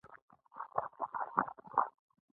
احتياط کوه، خټې دي